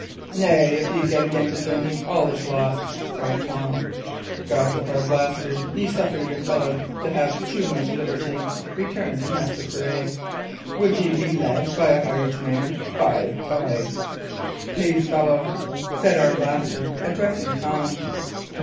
"Nay, if ye get again to drinking, all is lost!" cried Tom. "Gossip Arblaster, ye suffer your fellow to have too much liberty," returned Master Pirret. "Would ye be led by a hired man? Fy, fy!" "Peace, fellow!" said Arblaster, addressing Tom.